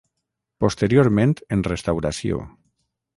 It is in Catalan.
Posteriorment en restauració.